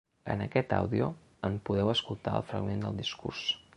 En aquest àudio en podeu escoltar el fragment del discurs.